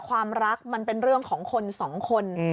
ความรักมันเป็นเรื่องของคนสองคน